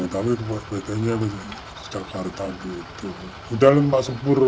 dalam masa buruk